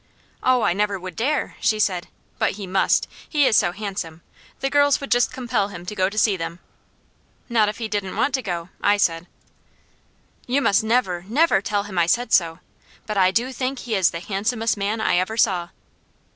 "Oh, I never would dare," she said. "But he must. He is so handsome! The girls would just compel him to go to see them." "Not if he didn't want to go," I said. "You must never, never tell him I said so, but I do think he is the handsomest man I ever saw."